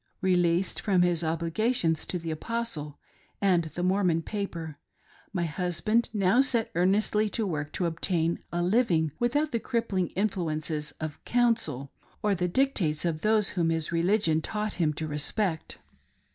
Released from his obligations to the Apostle and the Mormon paper, my husband now set earnestly to work to obtain a living without the crippling influences of "counsel" or the dictates of those whom his religion taught him to respect.